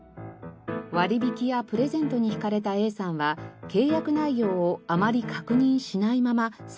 割引やプレゼントに引かれたＡさんは契約内容をあまり確認しないままサインしてしまいました。